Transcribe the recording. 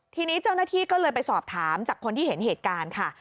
ทีนี้เจ้าหน้าที่ก็เลยไปสอบถามจากคนที่เห็นเหตุการณ์ค่ะ